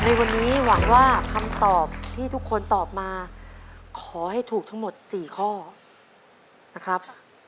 ในวันนี้หวังว่าคำตอบที่ทุกคนตอบมาขอให้ถูกทั้งหมด๔ข้อนะครับ